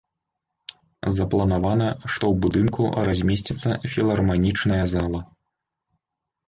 Запланавана, што ў будынку размесціцца філарманічная зала.